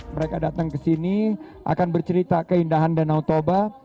mereka datang ke sini akan bercerita keindahan dan otoba